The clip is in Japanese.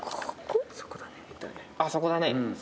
そこだね。